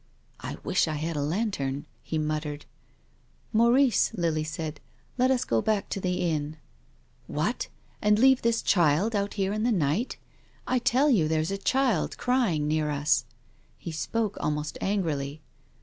" I wish I had a lantern," he muttered. " Maurice," Lily said, " let us go back to the •»» mn. " What ! and leave this child out here in the night. I tell you there is a child crying near 9* us. He spoke almost angrily.